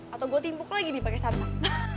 atau gue timpuk lagi dipake samsat